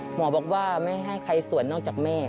หมอบอกว่าไม่ให้ใครสวดนอกจากแม่